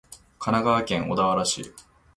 神奈川県小田原市